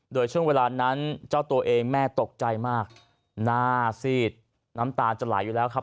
โดยช่วงเวลานั้นเจ้าตัวเองแม่ตกใจมากหน้าซีดน้ำตาลจะไหลอยู่แล้วครับ